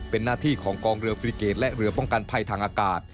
เป็นหน้าที่ของกองเรือฟริเกตและเรือป้องกันภัยทางอากาศ